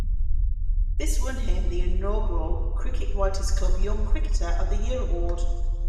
This won him the inaugural Cricket Writers' Club Young Cricketer of the Year award.